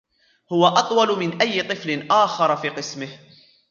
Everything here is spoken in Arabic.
هو أطول من أي طفل آخر في قسمه.